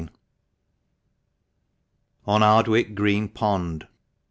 * ON ARDWICK GREEN POND.